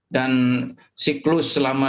dan siklus selama dua puluh tahun